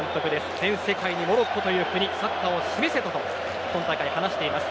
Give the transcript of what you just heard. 全世界にモロッコという国サッカーを示せたと今大会話しています。